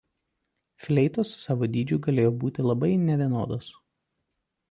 Fleitos savo dydžiu galėjo būti labai nevienodos.